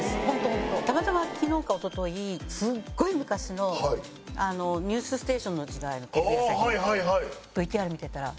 たまたま昨日かおとといすっごい昔の『ニュースステーション』の時代のテレビ朝日のＶＴＲ見てたら。